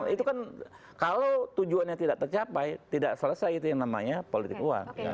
itu kan kalau tujuannya tidak tercapai tidak selesai itu yang namanya politik uang